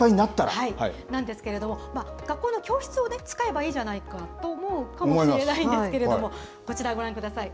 なんですけれども、学校の教室を使えばいいじゃないかと思うかもしれないんですけれども、こちらご覧ください。